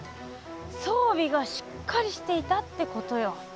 そうびがしっかりしていたってことよ。